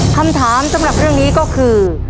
คำถามสำหรับเรื่องนี้ก็คือ